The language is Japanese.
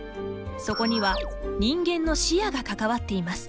そこには人間の視野が関わっています。